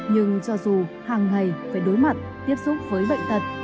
nhưng cho dù hàng ngày phải đối mặt tiếp xúc với bệnh tật